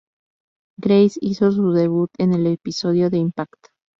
Grace hizo su debut en el episodio de "Impact!